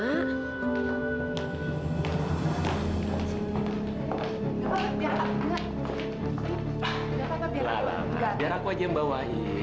enggak aku aja bawa